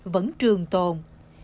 vẫn trường tồn